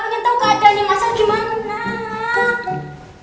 pengen tau keadaannya masa gimana